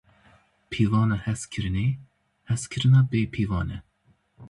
Pîvana hezkirinê, hezkirina bêpîvan e.